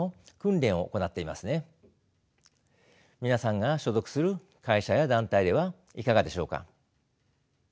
皆さんが所属する会社や団体ではいかがでしょうか。